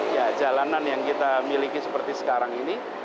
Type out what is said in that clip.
ya jalanan yang kita miliki seperti sekarang ini